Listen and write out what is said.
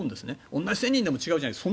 同じ１０００人でも違うじゃないって。